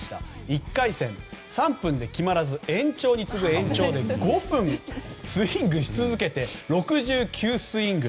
１回戦、３分で決まらず延長に次ぐ延長で５分、スイングし続けて６９スイング。